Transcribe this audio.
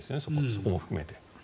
そこも含めて。